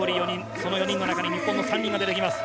その４人の中に日本の３人が出てきます。